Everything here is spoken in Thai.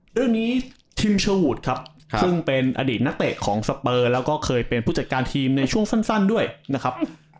ทีมเชอร์วูดครับซึ่งเป็นอดีตนักเตะของสเปอร์แล้วก็เคยเป็นผู้จัดการทีมในช่วงสั้นด้วยนะครับ